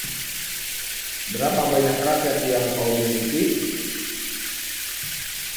Berapa banyak raket yang kau miliki?